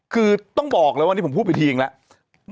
คือต้องบอกเลยว่าวันนี้ผมพูดไปทีเองแล้ว